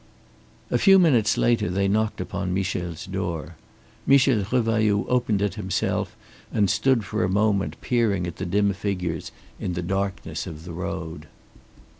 A few minutes later they knocked upon Michel's door. Michel Revailloud opened it himself and stood for a moment peering at the dim figures in the darkness of the road.